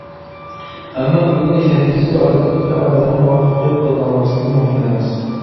ئەمما ئۆگىنىش نەتىجىسى ئادەتتىكىچە ئادەمنىڭ مۇۋەپپەقىيەت قازىنالماسلىقى مۇمكىن ئەمەس.